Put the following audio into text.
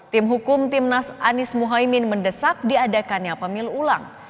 tim hukum timnas anies muhaymin mendesak diadakannya pemilu ulang